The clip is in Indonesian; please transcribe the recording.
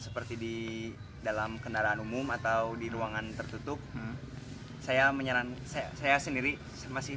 seperti di dalam kendaraan umum atau di ruangan tertutup saya menyaran saya saya sendiri masih